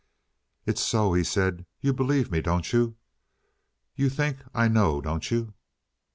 "It's so," he said. "You believe me, don't you? You think I know, don't you?"